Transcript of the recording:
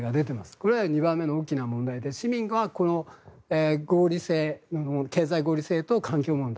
これは２番目の大きな問題で市民が経済合理性と環境問題。